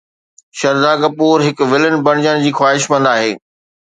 شرڌا ڪپور هڪ ولن بڻجڻ جي خواهشمند آهي